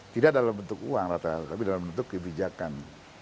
tidak dalam bentuk uang rata rata tapi dalam bentuk kebijakan